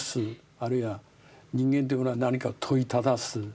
あるいは人間ってものは何かを問いただす。